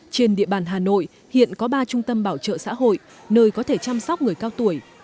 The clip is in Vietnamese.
trên địa bàn hà nội hiện có ba trung tâm bảo trợ xã hội nơi có thể chăm sóc người cao tuổi